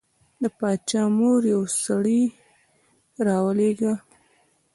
د باچا مور یو سړی راولېږه.